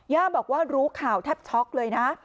ย่าบอกว่ารู้ข่าวแทบช็อกเลยนะ